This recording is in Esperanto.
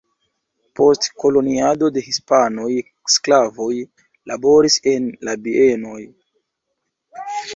Post koloniado de hispanoj sklavoj laboris en la bienoj.